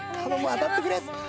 当たってくれ！